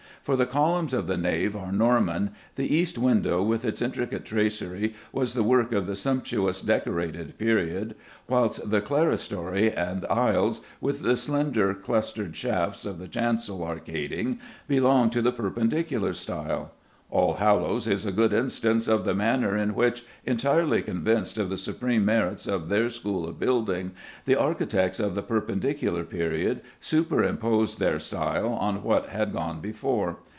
For the columns of the nave are Norman, the east window with its intricate tracery was the work of the sumptuous Decorated period, whilst the clerestory and aisles, with the slender clustered shafts of the chancel arcading, belong to the Perpendicular style.... Allhallows is a good instance of the manner in which, entirely convinced of the supreme merits of their school of building, the architects of the Perpendicular period superimposed their style on what had gone before.